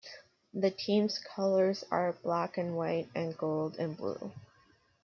The team's colors are black and white, and gold and blue.